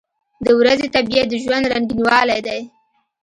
• د ورځې طبیعت د ژوند رنګینوالی دی.